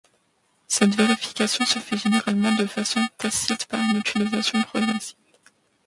Cette vérification se fait généralement de façon tacite par une utilisation progressive.